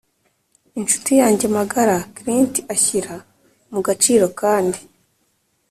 Incuti yanjye magara Clint ashyira mu gaciro kandi